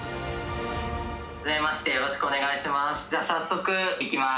はじめまして、よろしくお願いします。